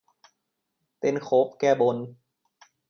เต้นโคฟแก้บน